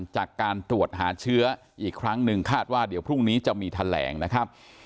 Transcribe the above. จากการตรวจหาเชื้ออีกครั้งหนึ่งคาดว่าเดี๋ยวพรุ่งนี้จะมีแถลงนะครับ